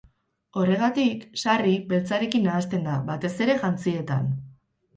Horregatik, sarri beltzarekin nahasten da, batez ere jantzietan.